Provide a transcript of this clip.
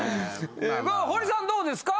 まあ堀さんどうですか？